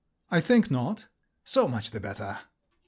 "I think not." "So much the better."